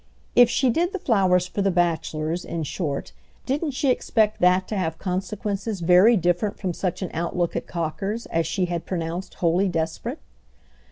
If she did the flowers for the bachelors, in short, didn't she expect that to have consequences very different from such an outlook at Cocker's as she had pronounced wholly desperate?